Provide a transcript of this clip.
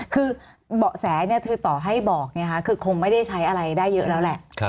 คือเบาะแสคือต่อให้บอกคือคงไม่ได้ใช้อะไรได้เยอะแล้วแหละ